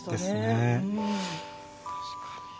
確かに。